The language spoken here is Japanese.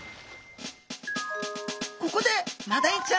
ここでマダイちゃん